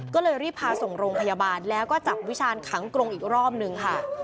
ก็เลยรีบพาส่งโรงพยาบาลแล้วก็จับวิชาณขังกรงอีกรอบนึงค่ะ